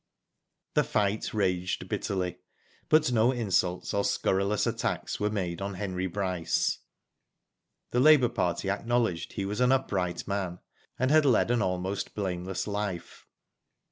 The fight raged bitterly, but no insults or scurrilous attacks were made on Henry Bryce. The labour party acknowledged he was an upright man, and had led an almost blameless life.